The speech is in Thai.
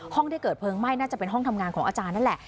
ที่เกิดเพลิงไหม้น่าจะเป็นห้องทำงานของอาจารย์นั่นแหละ